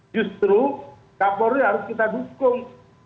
justru kapolri harus kita dukung